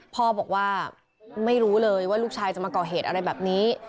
พ่อบอกว่าไม่รู้เลยว่าลูกชายจะมาก่อเหตุอะไรแบบนี้